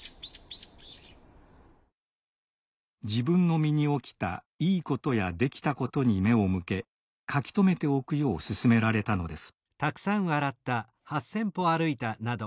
自分の身に起きた「いいこと」や「できたこと」に目を向け書き留めておくよう勧められたのです。